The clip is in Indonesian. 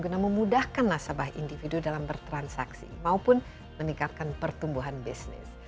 guna memudahkan nasabah individu dalam bertransaksi maupun meningkatkan pertumbuhan bisnis